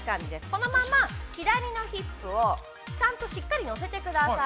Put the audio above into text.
このまま左のヒップを、ちゃんとしっかり乗せてください。